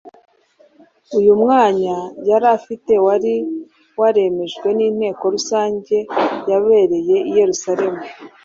Uyu mwanya yari afite wari waremejwe n’inteko rusange yabereye i Yerusalemu